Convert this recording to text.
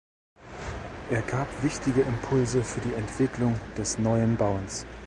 Er gab wichtige Impulse für die Entwicklung des Neuen Bauens.